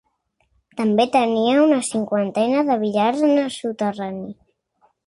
També tenia una cinquantena de billars en el soterrani.